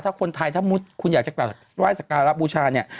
ถ้าคนไทยถ้ามุติคุณอยากจะกลับไหว้สการะบูชาเนี่ย